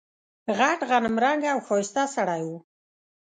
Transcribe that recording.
غټ غنم رنګه او ښایسته سړی و.